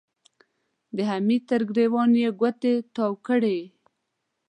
د حميد تر ګرېوان يې ګوتې تاوې کړې.